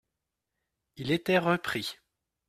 Il était repris.